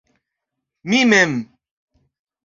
Mi mem.